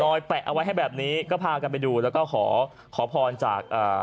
แปะเอาไว้ให้แบบนี้ก็พากันไปดูแล้วก็ขอขอพรจากอ่า